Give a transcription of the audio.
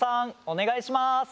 お願いします。